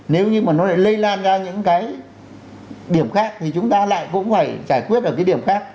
nếu như mà nó lại lây lan ra những cái điểm khác thì chúng ta lại cũng phải giải quyết ở cái điểm khác